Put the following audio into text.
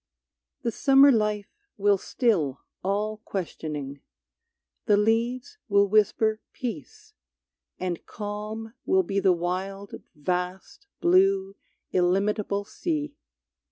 The summer life will still all questioning, The leaves will whisper peace, and calm will be The wild, vast, blue, illimitable sea.